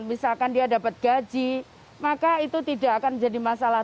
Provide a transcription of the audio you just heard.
misalkan dia dapat gaji maka itu tidak akan menjadi masalah